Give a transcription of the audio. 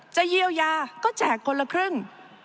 จะเยียวยาก็แจกคนละครึ่ง